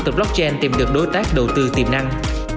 từ blockchain tìm được đối tác đầu tư tiềm năng